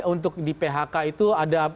untuk di phk itu ada